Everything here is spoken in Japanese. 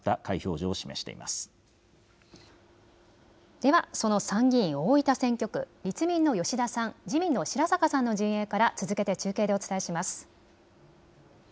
ではその参議院大分選挙区立民の吉田さん、自民の白坂さんの陣営から続けて中継でお伝えします。